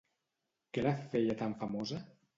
Què la feia tan famosa?